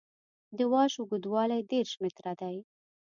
د واش اوږدوالی دېرش متره دی